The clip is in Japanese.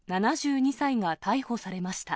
７２歳が逮捕されました。